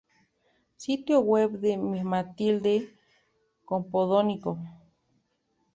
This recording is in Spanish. Sitio web de Matilde Campodónico